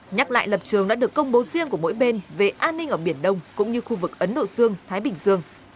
nhắc lại lập trường đã được công bố riêng của mỗi bên về an ninh ở biển đông cũng như khu vực ấn độ dương thái bình dương